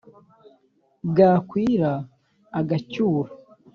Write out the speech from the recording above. bwakwira agacyura